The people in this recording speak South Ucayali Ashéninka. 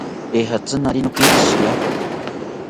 Ejatzi naari nokenkishiriaka